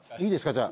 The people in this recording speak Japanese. じゃあ。